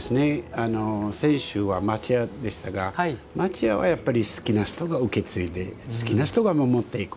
先週は町家でしたが町家はやっぱり好きな人が受け継いで好きな人が守っていく。